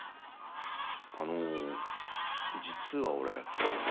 あの実は俺。